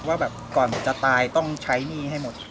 ว่าแบบก่อนผมจะตายต้องใช้หนี้ให้หมด